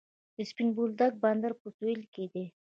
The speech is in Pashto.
د سپین بولدک بندر په سویل کې دی